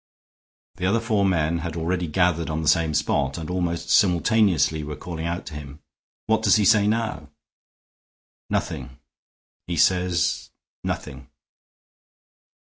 The other four men had already gathered on the same spot and almost simultaneously were calling out to him, "What does he say now?" "Nothing. He says nothing."